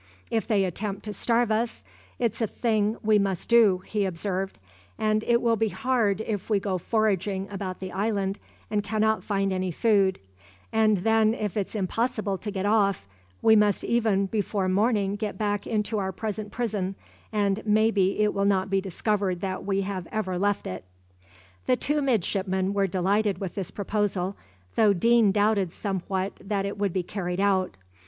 "If they attempt to starve us, it's a thing we must do," he observed; "and it will be hard if we go foraging about the island and cannot find any food; and then if it's impossible to get off, we must e'en before morning get back into our present prison, and maybe it will not be discovered that we have ever left it." The two midshipmen were delighted with this proposal, though Deane doubted somewhat that it would be carried out.